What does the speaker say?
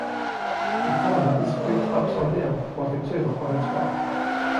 The climber is flipped upside down, like a turtle on its back.